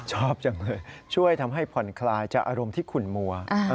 ชอบจังเลยช่วยทำให้ผ่อนคลายจากอารมณ์ที่ขุนมัว